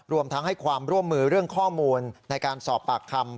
รวมทั้งให้ความร่วมมือเรื่องข้อมูลในการสอบปากคำ